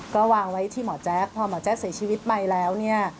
ก็วางไว้ที่หมอแจ๊คพอหมอแจ๊กเสียชีวิตไปแล้วเนี่ย